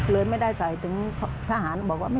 เลยไม่ได้ใส่ถึงทหารบอกว่า